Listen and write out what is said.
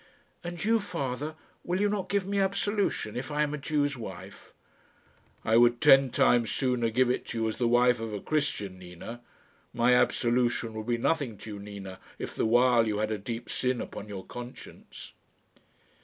"And you, Father, will you not give me absolution if I am a Jew's wife?" "I would ten times sooner give it you as the wife of a Christian, Nina. My absolution would be nothing to you, Nina, if the while you had a deep sin upon your conscience."